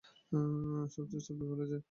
সব চেষ্টা বিফলে যায়।